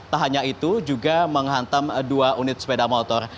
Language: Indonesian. tak hanya itu juga menghantam dua unit sepeda motor